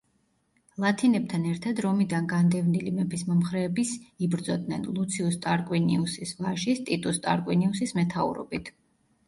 ლათინებთან ერთად რომიდან განდევნილი მეფის მომხრეების იბრძოდნენ, ლუციუს ტარკვინიუსის ვაჟის, ტიტუს ტარკვინიუსის მეთაურობით.